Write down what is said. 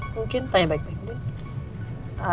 mungkin tanya baik baik